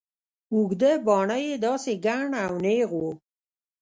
اوږده باڼه يې داسې گڼ او نېغ وو.